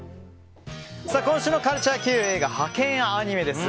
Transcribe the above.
今週のカルチャーＱ映画「ハケンアニメ！」です。